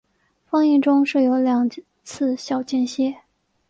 放映中设有两次小间歇。